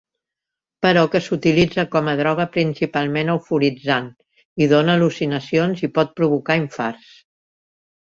Però que s'utilitza com a droga principalment euforitzant i dóna al·lucinacions i pot provocar infarts.